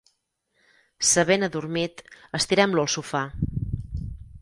S'ha ben adormit: estirem-lo al sofà.